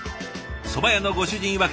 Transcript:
そば屋のご主人いわく